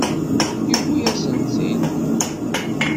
Yewwi-yasen-tt-id.